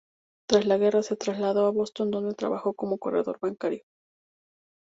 Tras la guerra se trasladó a Boston, donde trabajó como corredor bancario.